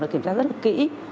nó kiểm tra rất là kỹ